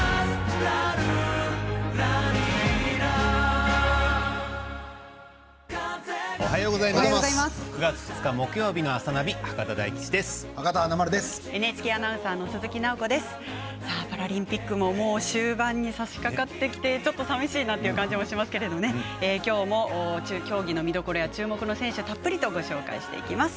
２０２０パラリンピックも終盤にさしかかって寂しいなという気もしますがきょうも競技の見どころや注目の選手たっぷりとご紹介していきます。